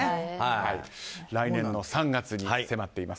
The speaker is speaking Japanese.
来年の３月に迫っています